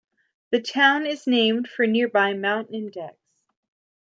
The town is named for nearby Mount Index.